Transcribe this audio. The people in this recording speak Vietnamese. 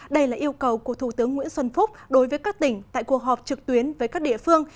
đây là yêu cầu của thủ tướng nguyễn xuân phúc đối với các tỉnh tại cuộc họp trực tuyến với các địa phương